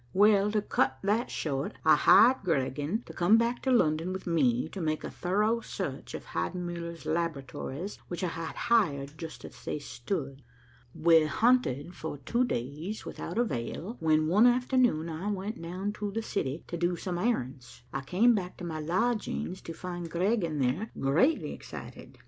"Well, to cut that short, I hired Griegen to come back to London with me, to make a thorough search of Heidenmuller's laboratories, which I had hired just as they stood. We hunted for two days without avail when, one afternoon, I went down to the city to do some errands. I came back to my lodgings to find Griegen there greatly excited.